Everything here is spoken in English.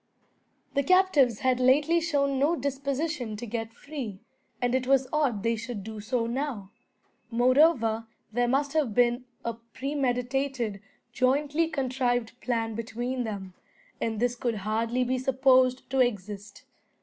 The captives had lately shown no disposition to get free, and it was odd they should do so now. Moreover there must have been a premeditated, jointly contrived plan between them, and this could hardly be supposed to exist.